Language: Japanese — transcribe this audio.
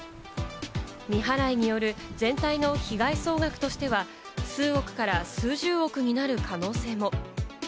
未払いによる全体の被害総額としては数億から数十億になる可能性も。